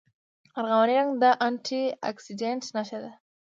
ارغواني رنګ د انټي اکسیډنټ نښه ده.